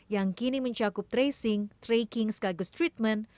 yang kini mencakup tracing tracking sekaligus treatment